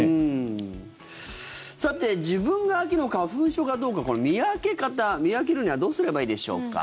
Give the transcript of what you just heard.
さて自分が秋の花粉症かどうか見分け方見分けるにはどうすればいいでしょうか。